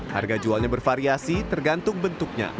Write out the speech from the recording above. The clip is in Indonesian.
harga jualnya bervariasi tergantung bentuknya